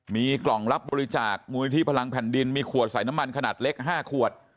มีกล่องรับบริจาคมูลนิธิพลังแผ่นดินมีขวดใส่น้ำมันขนาดเล็ก๕ขวด